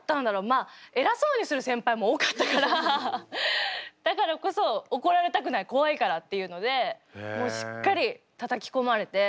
まあ偉そうにする先輩も多かったからだからこそ怒られたくない怖いからっていうのでもうしっかりたたきこまれて。